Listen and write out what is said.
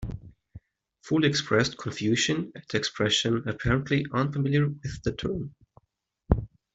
Fuld expressed confusion at the expression, apparently unfamiliar with the term.